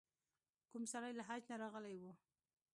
کوم سړی له حج نه راغلی و.